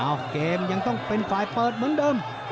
เกมยังต้องเป็นฝ่ายเปิดเหมือนเดิม